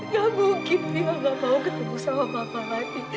gak mungkin mira gak mau ketemu sama mama lagi